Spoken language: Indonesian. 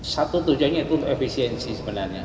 satu tujuannya itu untuk efisiensi sebenarnya